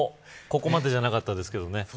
ここまでじゃなかったですけどね。